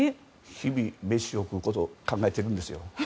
日々、飯を食うことを考えているんですよ。